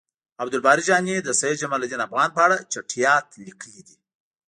عبد الباری جهانی د سید جمالدین افغان په اړه چټیات لیکلی دی